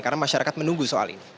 karena masyarakat menunggu soal ini